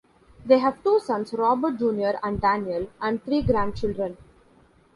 They have two sons, Robert Junior and Daniel, and three grandchildren.